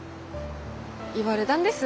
言われだんです。